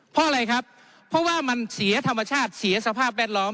เพราะอะไรครับเพราะว่ามันเสียธรรมชาติเสียสภาพแวดล้อม